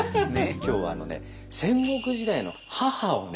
今日はあのね戦国時代の母をね